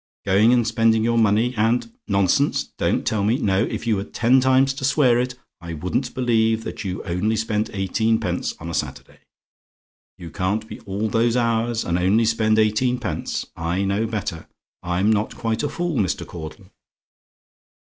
"Going and spending your money, and nonsense! don't tell me no, if you were ten times to swear it, I wouldn't believe that you only spent eighteenpence on a Saturday. You can't be all those hours and only spend eighteenpence. I know better. I'm not quite a fool, Mr. Caudle.